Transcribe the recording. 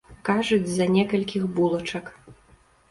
Кажуць, з-за некалькіх булачак.